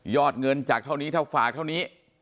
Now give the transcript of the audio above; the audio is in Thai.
เงินจากเท่านี้เท่าฝากเท่านี้